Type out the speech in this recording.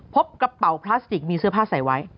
พบกระเป๋าพลาสติกมีเสื้อผ้าใส่ไว้